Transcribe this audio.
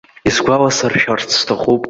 Исгәаласыршәарц сҭахуп.